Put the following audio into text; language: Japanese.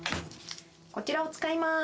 こちらを使いまーす。